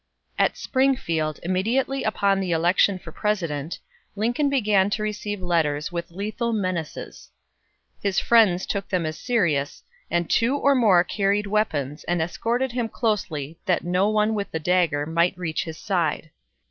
At Springfield, immediately upon the election for President, Lincoln began to receive letters with lethal menaces. His friends took them as serious, and two or more carried weapons, and escorted him closely that no one with a dagger might reach his side.